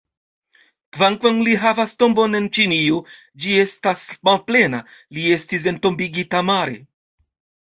Kvankam li havas tombon en Ĉinio, ĝi estas malplena: li estis entombigita mare.